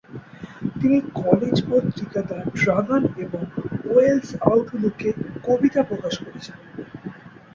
তিনি কলেজ পত্রিকা the dragon এবং ওয়েলশ আউটলুকে কবিতা প্রকাশ করেছিলেন।